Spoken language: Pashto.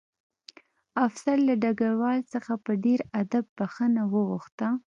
افسر له ډګروال څخه په ډېر ادب بښنه وغوښته